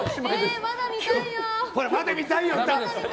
まだ見たいよ！